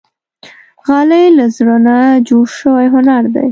غالۍ له زړه نه جوړ شوی هنر دی.